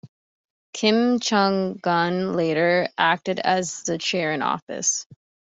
Kim Chung Gun later acted as the Chair-in-Office.